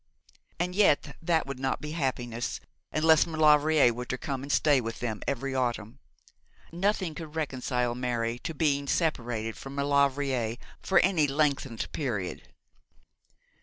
And yet that would not be happiness, unless Maulevrier were to come and stay with them every autumn. Nothing could reconcile Mary to being separated from Maulevrier for any lengthened period.